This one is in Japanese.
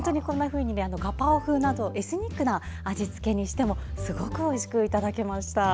ガパオ風などエスニックな味付けにしてもすごくおいしくいただけました。